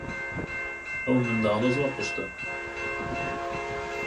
ئەو منداڵە زۆر قشتە.